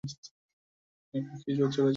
এরা একাকী বা জোড়ায় চলে।